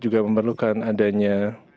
juga memerlukan adanya